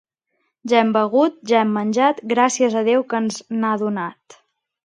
Ja hem begut, ja hem menjat, gràcies a Déu que ens n'ha donat.